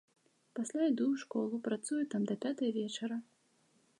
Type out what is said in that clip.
Пасля іду ў школу, працую там да пятай вечара.